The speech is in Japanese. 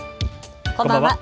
こんばんは。